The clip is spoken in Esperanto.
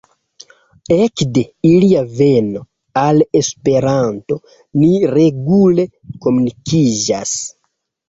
Ekde ilia veno al Esperanto ni regule komunikiĝas.